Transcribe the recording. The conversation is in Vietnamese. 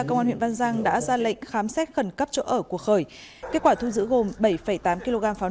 công an huyện văn giang đã ra lệnh khám xét khẩn cấp chỗ ở của khởi kết quả thu giữ gồm bảy tám kg pháo